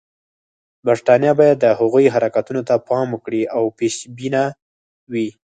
برټانیه باید د هغوی حرکتونو ته پام وکړي او پېشبینه وي.